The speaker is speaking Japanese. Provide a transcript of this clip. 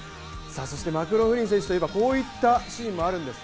そしてマクローフリン選手といえばこういったシーンもあるんです。